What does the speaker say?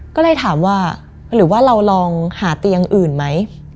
ก็เลยถามว่าหรือว่าเราลองหาเตียงอื่นไหม